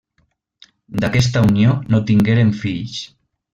D'aquesta unió no tingueren fills.